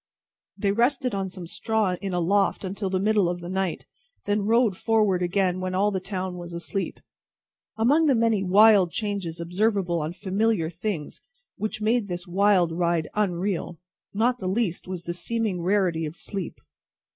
They rested on some straw in a loft until the middle of the night, and then rode forward again when all the town was asleep. Among the many wild changes observable on familiar things which made this wild ride unreal, not the least was the seeming rarity of sleep.